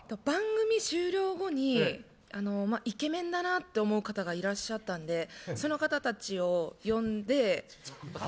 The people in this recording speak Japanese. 番組終了後にイケメンだなと思う方がいらっしゃったのでその方たちを呼んで。